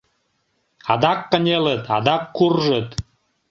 Адак кынелыт, адак куржыт...